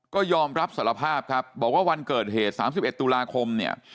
ก็ยอมรับสารภาพครับบอกว่าวันเกิดเหตุ๓๑ตุลาคมเนี่ย